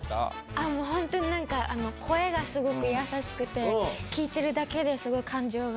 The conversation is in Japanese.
あ、もう本当、なんか声がすごく優しくて、聞いてるだけで、すごく感情が。